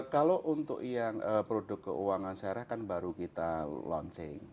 kalau untuk yang produk keuangan syarah kan baru kita launching